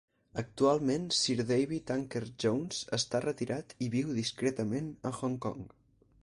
Actualment Sir David Akers-Jones està retirat i viu discretament a Hong Kong.